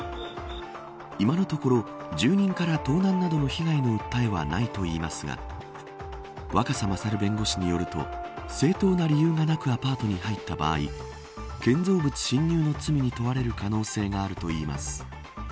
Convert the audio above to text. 今のところ、住人から盗難などの被害の訴えはないといいますが若狭勝弁護士によると正当な理由がなくアパートに入った場合建造物侵入の罪に問われる可能性があるといいます。